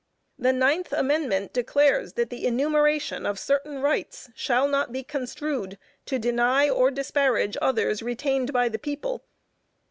The ninth amendment declares that the enumeration of certain rights, shall not be construed to deny, or disparage others retained by the people.